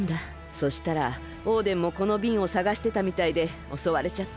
そしたらオーデンもこのびんをさがしてたみたいでおそわれちゃって。